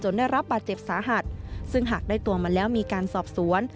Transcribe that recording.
ได้รับบาดเจ็บสาหัสซึ่งหากได้ตัวมาแล้วมีการสอบสวน